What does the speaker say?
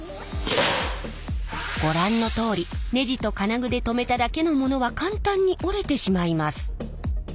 ご覧のとおりネジと金具で留めただけのものは簡単に折れてしまいます。